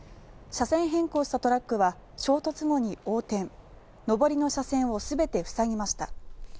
車線変更したトラックは衝突後に横転上りの車線を全て塞ぎました。